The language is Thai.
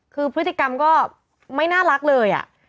คือพฤติกรรมก็ไม่น่ารักเลย